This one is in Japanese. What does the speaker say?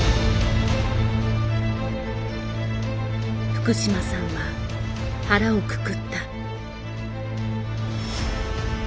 福島さんは腹をくくった。